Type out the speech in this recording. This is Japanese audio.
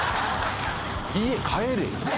家帰れよ。